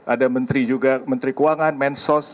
ada menteri juga menteri keuangan mensos